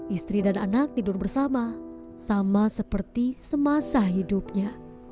istri dan anak tidur bersama sama seperti semasa hidupnya